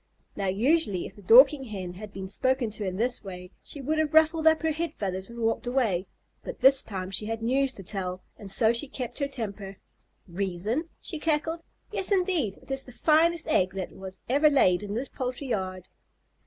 Now, usually if the Dorking Hen had been spoken to in this way, she would have ruffled up her head feathers and walked away, but this time she had news to tell and so she kept her temper. "Reason?" she cackled. "Yes indeed! It is the finest egg that was ever laid in this poultry yard."